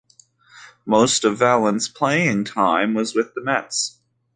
Most of Valent's playing time was with the Mets.